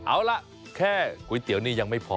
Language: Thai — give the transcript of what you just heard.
เอาล่ะแค่ก๋วยเตี๋ยวนี่ยังไม่พอ